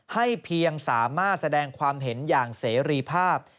ให้เพียงสามารถแสดงความเห็นอย่างเสรีภาพ